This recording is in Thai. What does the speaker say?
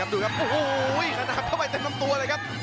ดูครับโอ้โหขนาดเข้าไปเต็มลำตัวเลยครับ